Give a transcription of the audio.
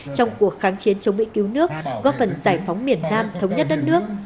trong cuộc kháng chiến chống mỹ cứu nước góp phần giải phóng miền nam thống nhất đất nước